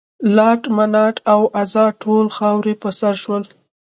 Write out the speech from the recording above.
لات، منات او عزا ټول خاورې په سر شول.